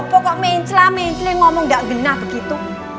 bapak kok mencela mencela ngomong nggak enggenah begitu